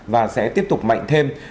và sẽ tiếp tục mạnh thêm